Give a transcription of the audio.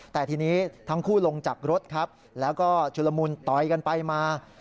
แต่ทีนี้ทั้งคู่ลงจากรถครับแล้วก็ชุลมุนต่อยกันไปมา